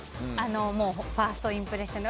ファーストインプレッションで。